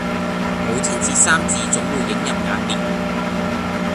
母親節三字總會映入眼廉